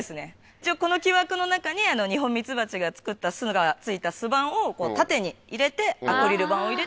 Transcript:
一応この木枠の中にニホンミツバチが作った巣が付いた巣板を縦に入れてアクリル板を入れて